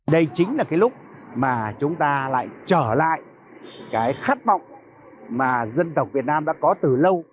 đây chính là cái lúc mà chúng ta lại trở lại cái khát vọng mà dân tộc việt nam đã có từ lâu